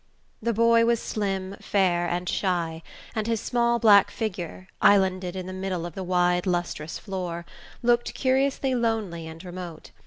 The boy was slim, fair and shy, and his small black figure, islanded in the middle of the wide lustrous floor, looked curiously lonely and remote.